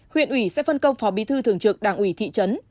huyện ủy sẽ phân công phó bí thư thường trực đảng ủy thị trấn